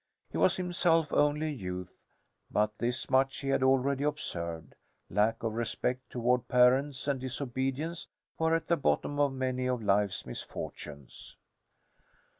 He was himself only a youth, but this much he had already observed: lack of respect toward parents and disobedience were at the bottom of many of life's misfortunes.